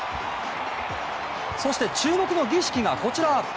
そして、注目の儀式がこちら。